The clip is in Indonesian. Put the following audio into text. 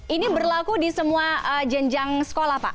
ini berlaku di semua jenjang sekolah pak